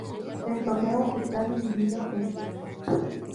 El torneo está dividido en tres fases.